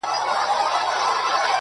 راډیويي خپرونې لا هم مشهورې دي